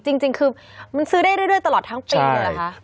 จริงคือมันซื้อได้เรื่อยตลอดทั้งปีเลยเหรอคะ